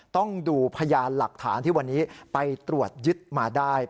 ต้องดูพยานหลักฐานที่วันนี้ไปตรวจยึดมาได้